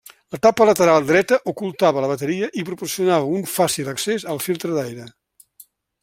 La tapa lateral dreta ocultava la bateria i proporcionava un fàcil accés al filtre d'aire.